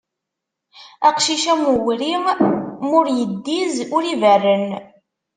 Aqcic am uwri, ma ur iddiz, ur iberren.